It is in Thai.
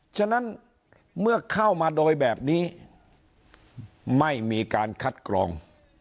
ฉะนั้นเมื่อเข้ามาโดยแบบนี้ไม่มีการคัดกรอง